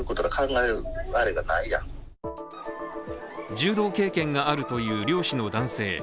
柔道経験があるという漁師の男性。